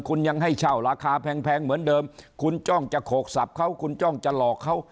คุณยังให้เช่าราคาแพงเหมือนเดิมคุณจ้องจะโขกสับเขาคุณจ้องจะหลอกเขา